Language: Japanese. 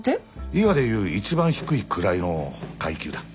伊賀で言う一番低い位の階級だ。